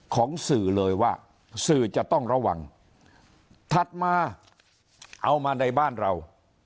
ของสื่อเลยว่าสื่อจะต้องระวังถัดมาเอามาในบ้านเรา